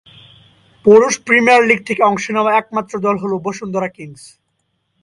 পুরুষ premier league থেকে অংশ নেওয়া একমাত্র দল হলো বসুন্ধরা কিংস।